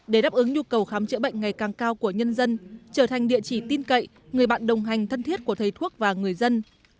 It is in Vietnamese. để đáp ứng nhu cầu khám chữa bệnh ngày càng cao của nhân dân trở thành địa chỉ tin cậy người bạn đồng hành thân thiết của thầy thuốc và người dân